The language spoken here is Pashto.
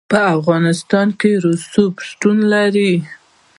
په افغانستان کې رسوب شتون لري.